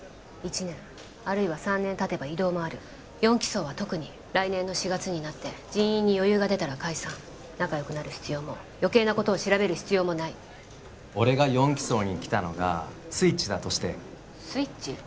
１年あるいは３年たてば異動もある４機捜は特に来年の４月になって人員に余裕が出たら解散仲良くなる必要も余計なことを調べる必要もない俺が４機捜に来たのがスイッチだとしてスイッチ？